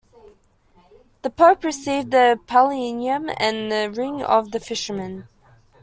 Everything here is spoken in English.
The Pope received the pallium and the Ring of the Fisherman.